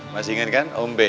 masih ingat kan om b